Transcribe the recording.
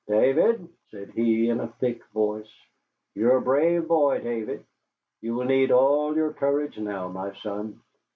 "David," said he, in a thick voice, "you are a brave boy, David. You will need all your courage now, my son.